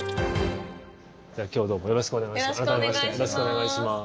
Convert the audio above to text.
今日どうもよろしくお願いします。